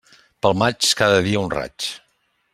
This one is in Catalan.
Pel maig, cada dia un raig.